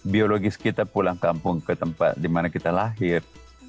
biologis kita pulang kampung ke tempat dimana kita lahir